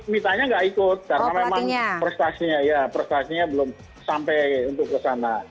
mifta nya nggak ikut karena memang prestasinya belum sampai untuk ke sana